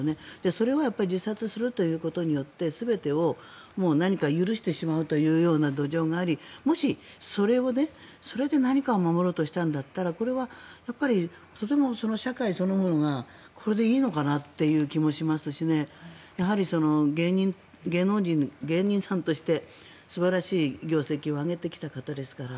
それは自殺することによって全てを何か許してしまうというような土壌があり、もしそれで何かを守ろうとしたんだったらこれはやはり社会そのものがこれでいいのかなという気もしますしやはり芸能人、芸人さんとして素晴らしい業績を上げてきた方ですから。